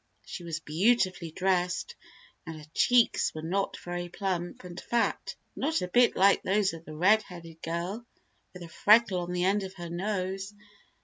She was beautifully dressed, and her cheeks were not very plump and fat not a bit like those of the red headed girl with a freckle on the end of her nose.